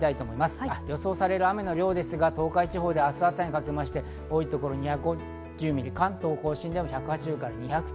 予想される雨の量ですが、東海地方で明日朝にかけて多い所で２５０ミリ、関東甲信でも２００ミリ。